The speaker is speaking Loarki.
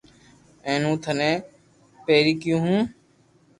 ھين ھون ٿني پيري ڪيو ھون